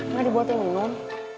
mau dibuat ilmu mak